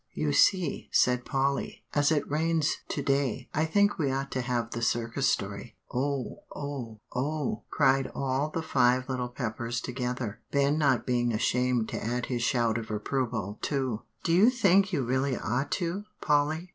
"You see," said Polly, "as it rains to day, I think we ought to have the Circus story." "Oh! oh! oh!" cried all the Five Little Peppers together, Ben not being ashamed to add his shout of approval too. "Do you think you really ought to, Polly?"